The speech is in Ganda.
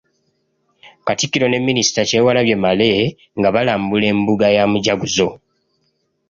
Katikkiro ne Minisita Kyewalabye Male nga balambula embuga ya Mujaguzo.